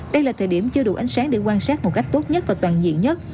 đây là thời điểm chưa đủ ánh sáng để quan sát một cách tốt nhất và toàn diện nhất